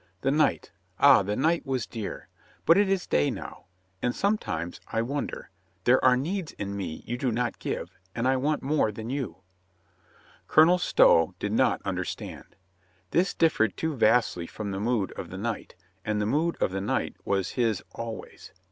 The night — ah, the night was dear ! But it is day now. And sometimes — I wonder — ^there are needs in me you do not give, and I want more than you." Colonel Stow did not understand. This differed too vastly from the mood of the night, and the mood of the night was his always.